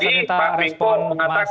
bahkan kali pak pingkong mengatakan